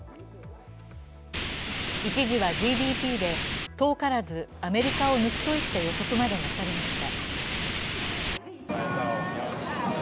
一時はＧＤＰで遠からずアメリカを抜くといった予測までなされました。